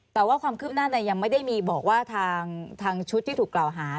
แต่ว่าความคืบหน้ายังไม่ได้มีบอกว่าทางชุดที่ถูกกล่าวหา